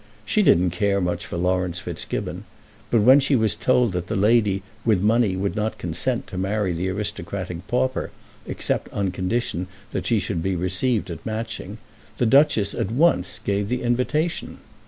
She didn't care much for Laurence Fitzgibbon; but when she was told that the lady with money would not consent to marry the aristocratic pauper except on condition that she should be received at Matching, the Duchess at once gave the invitation.